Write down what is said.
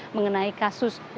mengenai kasus lukisan